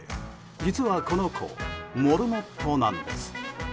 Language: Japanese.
実は、この子モルモットなんです。